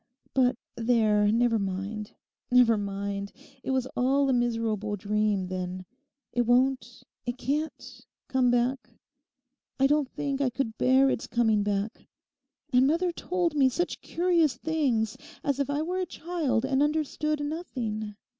'But there, never mind—never mind. It was all a miserable dream, then; it won't, it can't come back? I don't think I could bear its coming back. And mother told me such curious things; as if I were a child and understood nothing.